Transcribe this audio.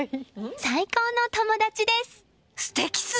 最高の友達です。